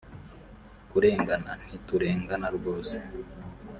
kurengana ntiturengana rwose